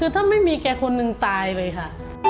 คือถ้าไม่มีแกคนหนึ่งตายเลยค่ะ